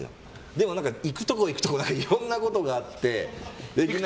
でも行くところ、行くところでいろんなことがあって。